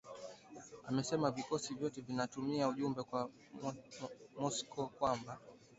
imesema vikosi hivyo vinatuma ujumbe kwa Moscow kwamba